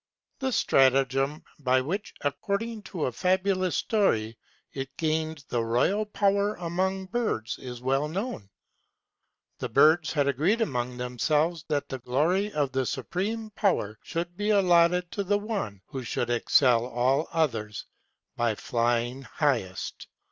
The stratagem by which, according to a fabulous story, it gained the royal power among birds is well known. The birds had agreed among themselves that the glory of the supreme power should be allotted to the one who should excel all others by flying highest.